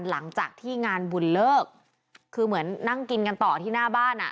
หลังจากที่งานบุญเลิกคือเหมือนนั่งกินกันต่อที่หน้าบ้านอ่ะ